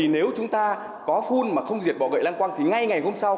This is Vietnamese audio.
nếu chúng ta có phun mà không diệt bỏ gậy lăng quăng thì ngay ngày hôm sau